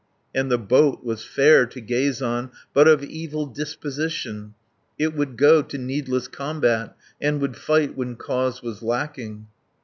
And the boat was fair to gaze on, But of evil disposition; It would go to needless combat, And would fight when cause was lacking.